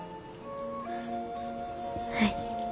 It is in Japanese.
はい。